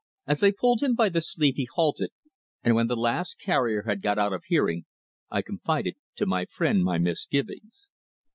As I pulled him by the sleeve he halted, and when the last carrier had got out of hearing I confided to my friend my misgivings.